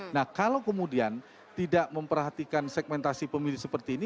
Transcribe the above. nah kalau kemudian tidak memperhatikan segmentasi pemilih seperti ini